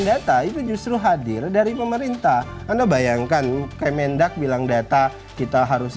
data itu justru hadir dari pemerintah anda bayangkan kemendak bilang data kita harus